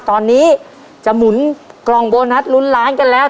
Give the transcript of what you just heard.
ตอนนี้จะหมุนกล่องโบนัสลุ้นล้านกันแล้ว